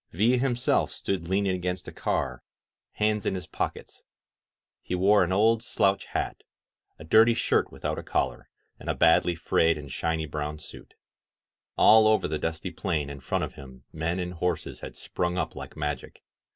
Villa himself stood leaning against a car, hands in his 181 INSURGENT MEXICO pockets. He wore an old slouch hat, a dirty shirt with out a collar, and a badly frayed and shiny brown suit. All over the dusty plain in front of him men and horses had sprung up like magic.